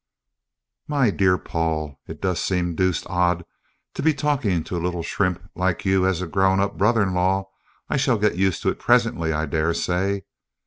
"My dear Paul (it does seem deuced odd to be talking to a little shrimp like you as a grown up brother in law. I shall get used to it presently, I daresay).